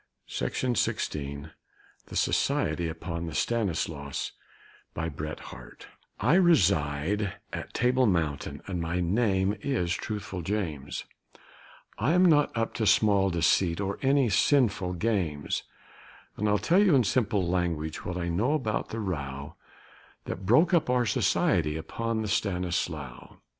BRET HARTE THE SOCIETY UPON THE STANISLAUS I reside at Table Mountain, and my name is Truthful James; I am not up to small deceit, or any sinful games; And I'll tell in simple language what I know about the row That broke up our Society upon the Stanislow.